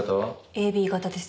ＡＢ型です。